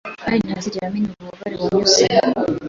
kandi ntihazigere amenya ububabare wanyuzemo